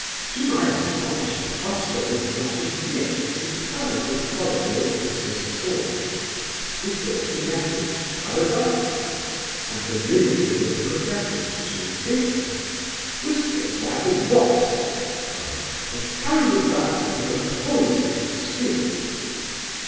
To my astonishment Oscar would not admit the superlative quality of Whistler's talk; he thought the message paradoxical and the ridicule of the professors too bitter. "Whistler's like a wasp," he cried, "and carries about with him a poisoned sting."